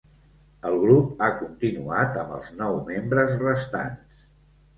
El grup ha continuat amb els nou membres restants.